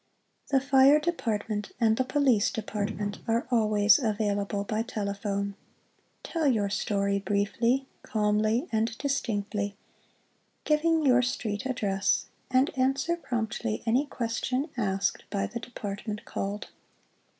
Tlie Fire Department and the Police Department are always available by telephone. Tell your story briefly, calmly and distinctly, giving your street address, and answer promptly any question asked by the Department called.